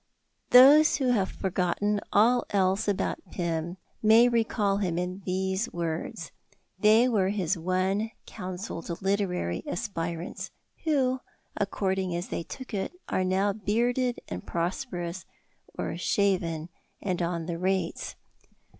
Those who have forgotten all else about Pym may recall him in these words. They were his one counsel to literary aspirants, who, according as they took it, are now bearded and prosperous or shaven and on the rates.